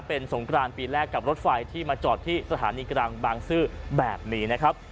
เป็นสงกรานปีแรกกับรถไฟที่มาจอดที่สถานีกลางบางซื่อแบบนี้นะครับ